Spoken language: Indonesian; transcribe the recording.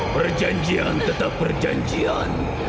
perjanjian tetap perjanjian